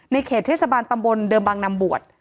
เขตเทศบาลตำบลเดิมบางนำบวช